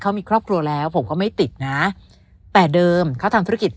เขามีครอบครัวแล้วผมก็ไม่ติดนะแต่เดิมเขาทำธุรกิจ